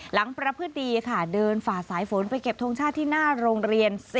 ประพฤติดีค่ะเดินฝ่าสายฝนไปเก็บทรงชาติที่หน้าโรงเรียน